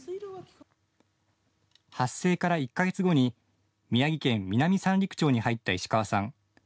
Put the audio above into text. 発生から１か月後に宮城県南三陸町に入った石川さん。